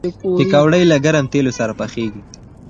پکورې له ګرم تیلو سره پخېږي